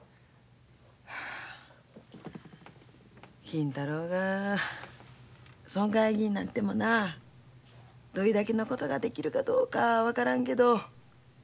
金太郎が村会議員になってもなどれだけのことができるかどうか分からんけど。